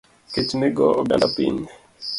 Kech nego oganda piny